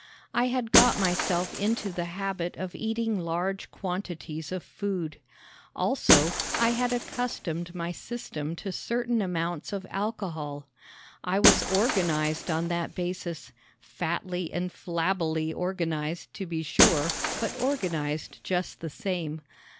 I had got myself into the habit of eating large quantities of food. Also, I had accustomed my system to certain amounts of alcohol. I was organized on that basis fatly and flabbily organized, to be sure, but organized just the same.